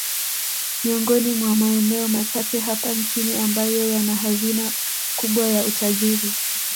Miongoni mwa maeneo machache hapa nchini ambayo yana hazina kubwa ya utajiri